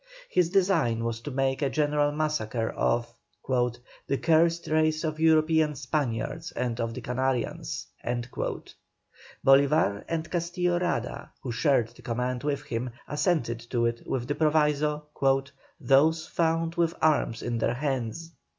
His design was to make a general massacre of "the cursed race of European Spaniards and of the Canarians." Bolívar and Castillo Rada, who shared the command with him, assented to it with the proviso "those found with arms in their hands."